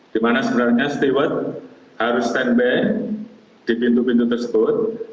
di mana sebenarnya steward harus stand by di pintu pintu tersebut